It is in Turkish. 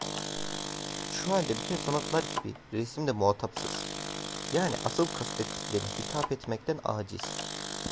Şu halde bütün sanatlar gibi resim de muhatapsız, yani asıl kastettiklerine hitap etmekten âciz.